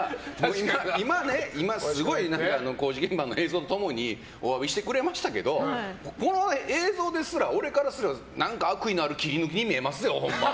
今、すごい工事現場の映像と共にお詫びしてくれましたけどこの映像ですら俺からすれば悪意のある切り抜きに見えますよ。